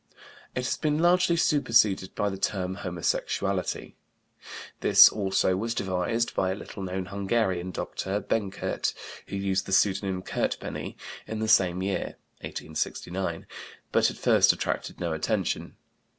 It has been largely superseded by the term "homosexuality." This also was devised (by a little known Hungarian doctor, Benkert, who used the pseudonym Kertbeny) in the same year (1869), but at first attracted no attention.